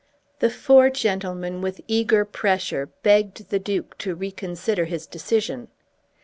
The four gentlemen, with eager pressure, begged the Duke to reconsider his decision.